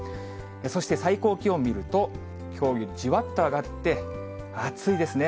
そして最高気温見ると、きょうよりじわっと上がって、暑いですね。